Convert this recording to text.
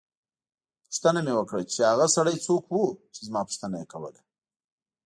پوښتنه مې وکړه چې هغه سړی څوک وو چې زما پوښتنه یې کوله.